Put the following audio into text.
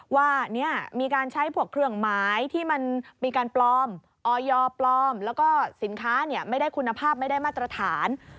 ว่ามีการใช้พวกเครื่องหมายที่มันมีการปลอมออยปลอมแล้วก็สินค้าไม่ได้คุณภาพไม่ได้มาตรฐาน